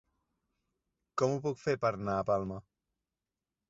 Com ho puc fer per anar a Palma?